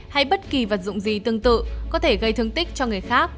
hay bất kỳ vật dụng gì tương tự có thể gây thương tích cho người khác